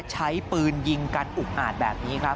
ใช้ปืนยิงกันอุกอาจแบบนี้ครับ